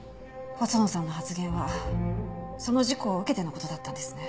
細野さんの発言はその事故を受けての事だったんですね。